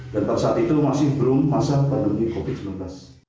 dan pada saat itu masih belum masa pandemi covid sembilan belas